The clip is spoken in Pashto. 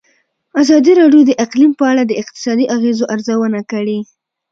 ازادي راډیو د اقلیم په اړه د اقتصادي اغېزو ارزونه کړې.